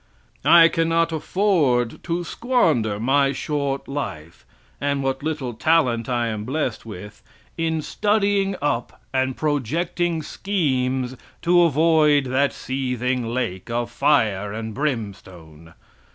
I cannot afford to squander my short life and what little talent I am blessed with in studying up and projecting schemes to avoid that seething lake of fire and brimstone.